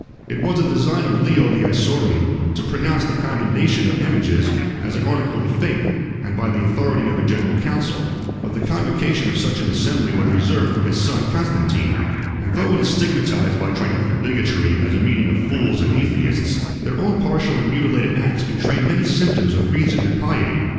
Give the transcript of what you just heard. It was the design of Leo the Isaurian to pronounce the condemnation of images as an article of faith, and by the authority of a general council: but the convocation of such an assembly was reserved for his son Constantine; 19 and though it is stigmatized by triumphant bigotry as a meeting of fools and atheists, their own partial and mutilated acts betray many symptoms of reason and piety.